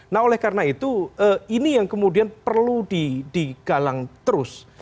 nah oleh karena itu ini yang kemudian perlu digalang terus